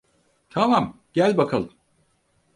Tamam, gel bakalım.